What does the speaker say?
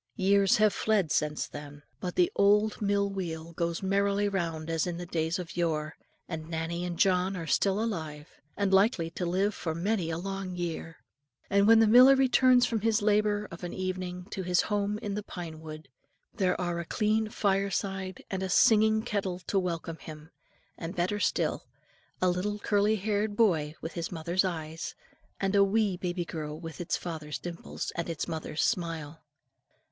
Years have fled since then, but the old mill wheel goes merrily round as in the days of yore; and Nannie and John are still alive, and likely to live for many a long year. And when the miller returns from his labour of an evening to his home in the pine wood, there are a clean fireside and a singing kettle to welcome him; and better still, a little curly haired boy with his mother's eyes, and a wee baby girl with its father's dimples and its mother's smile.